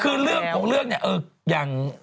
คือเรื่องของเรื่องเนี่ยอย่าง